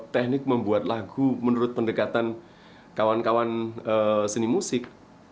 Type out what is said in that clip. teknik membuat lagu menurut pendekatan kawan kawan seni musik